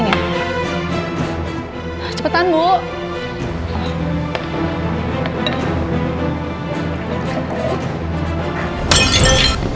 sekarang ibu bantuin semua makanan kesini